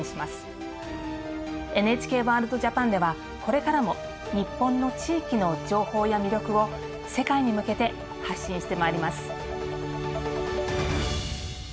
「ＮＨＫワールドＪＡＰＡＮ」ではこれからも日本の地域の情報や魅力を世界に向けて発信してまいります。